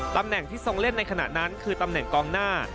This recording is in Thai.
ตำแหน่งที่ทรงเล่นในขณะนั้นคือตำแหน่งกองหน้า